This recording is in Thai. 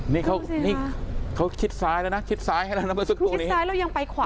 นี่เค้านี่เค้าคิดซ้ายแล้วน่ะคิดซ้ายเรายังไปขวา